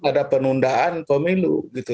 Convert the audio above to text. ada penundaan pemilu gitu